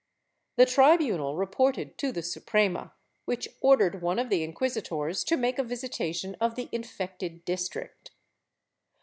The tribunal reported to the Suprema, which ordered one of the inquisitors to make a visitation of the infected district.